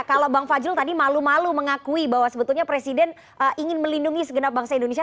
kalau bang fajrul tadi malu malu mengakui bahwa sebetulnya presiden ingin melindungi segenap bangsa indonesia